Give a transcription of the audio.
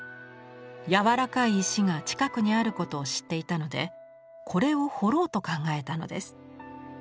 やわらかい石が近くにあることを知っていたのでこれを彫ろうと考えたのです。